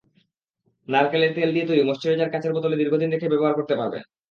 নারকেলের তেল দিয়ে তৈরি ময়েশ্চারাইজার কাচের বোতলে দীর্ঘদিন রেখে ব্যবহার করতে পারবেন।